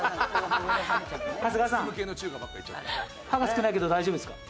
長谷川さん歯が少ないけど大丈夫ですか？